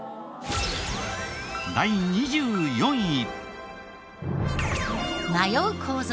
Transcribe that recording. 第２４位。